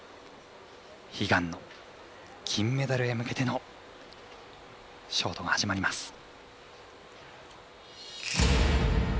悲願の金メダルへ向けてのショートが始まります。